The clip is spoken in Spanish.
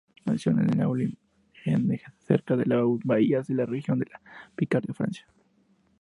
Nació en La Neuville-en-Hez, cerca de Beauvais, en la región de Picardía, Francia.